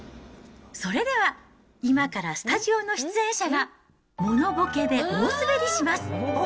それでは今からスタジオの出演者が、モノボケて大スベリします。